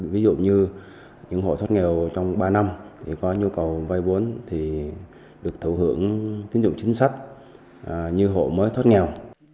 ví dụ như những hộ thoát nghèo trong ba năm có nhu cầu vay bốn thì được thấu hưởng tín dụng chính sách như hộ mới thoát nghèo